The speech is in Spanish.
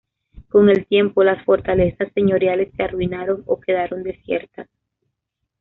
Con el tiempo, las fortalezas señoriales se arruinaron o quedaron desiertas.